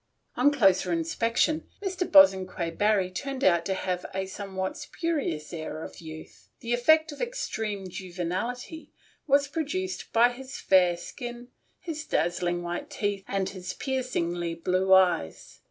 On closer inspection Mr. Bosanquet Barry turned out to have a somewhat faux aw of youth. The effect of extreme juvenility was produced by his fair skin, his dazzlingly white teeth, and his piercingly blue eyes.